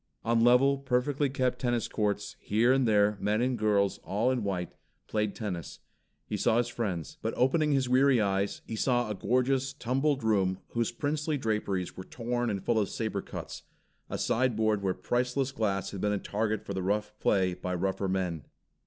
On level, perfectly kept tennis courts, here and there, men and girls all in white played tennis. He saw his friends But opening his weary eyes, he saw a gorgeous, tumbled room whose princely draperies were torn and full of saber cuts, a sideboard where priceless glass had been a target for the rough play by rougher men.